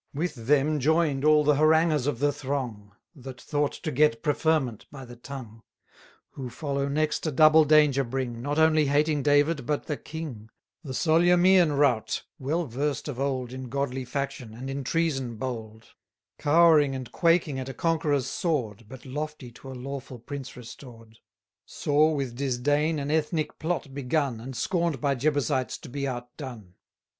With them join'd all the haranguers of the throng, That thought to get preferment by the tongue. 510 Who follow next a double danger bring, Not only hating David, but the king; The Solyimaean rout; well versed of old In godly faction, and in treason bold; Cowering and quaking at a conqueror's sword, But lofty to a lawful prince restored; Saw with disdain an Ethnic plot begun, And scorn'd by Jebusites to be outdone.